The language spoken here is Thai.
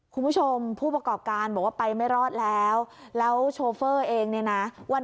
ผู้ประกอบการบอกว่าไปไม่รอดแล้วแล้วโชเฟอร์เองเนี่ยนะว่า